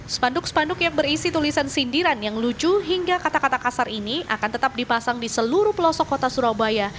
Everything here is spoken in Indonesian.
spanduk spanduk yang berisi tulisan sindiran yang lucu hingga kata kata kasar ini akan tetap dipasang di seluruh pelosok kota surabaya